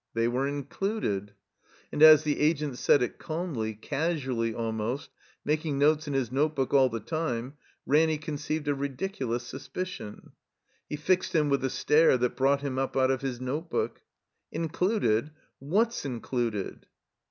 They were included. And as the Agent said it calmly, casually almost, making notes in his notebook all the time, Ranny con ceived a ridiculous suspicion. He fixed him with a stare that brought him up out of his notebook. "Included? Whafs included?"